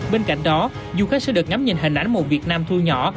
bên cạnh đó du khách sẽ được ngắm nhìn hình ảnh một việt nam thu nhỏ